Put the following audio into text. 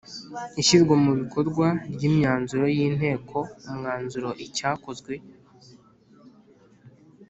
ishyirwa mu bikorwa ry’imyanzuro y’inteko umwanzuro icyakozwe